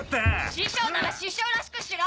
師匠なら師匠らしくしろ！